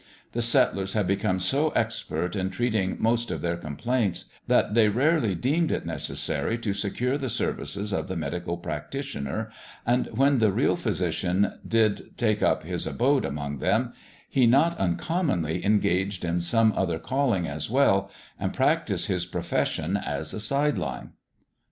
The settlers had become so expert in treating most of their complaints, that they rarely deemed it necessary to secure the services of the medical practitioner; and, when the real physician did take up his abode among them, he not uncommonly engaged in some other calling as well and practised his profession as a side line.